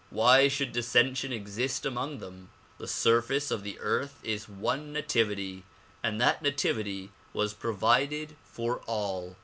Why should dissension exist among them ? The surface of the earth is one nativity and that nativity was provided for all.